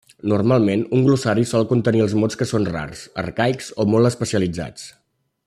Normalment, un glossari sol contenir els mots que són rars, arcaics, o molt especialitzats.